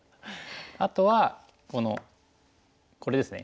あとはこのこれですね。